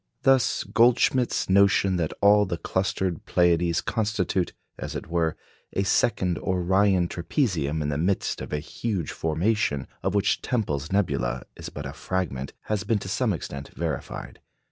Thus Goldschmidt's notion that all the clustered Pleiades constitute, as it were, a second Orion trapezium in the midst of a huge formation of which Tempel's nebula is but a fragment, has been to some extent verified.